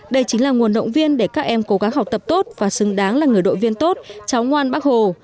đây chính là nguồn động viên để các em cố gắng học tập tốt và xứng đáng là người đội viên tốt cháu ngoan bác hồ